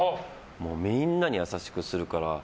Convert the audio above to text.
みんなに優しくするから。